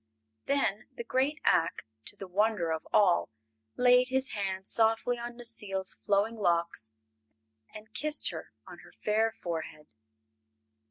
Then the great Ak, to the wonder of all, laid his hand softly on Necile's flowing locks and kissed her on her fair forehead.